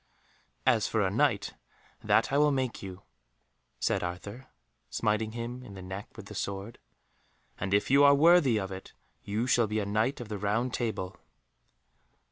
"As for a Knight, that I will make you," said Arthur, smiting him in the neck with the sword, "and if you are worthy of it you shall be a Knight of the Round Table."